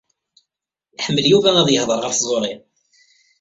Iḥemmel Yuba ad yehḍeṛ ɣef tẓuṛi.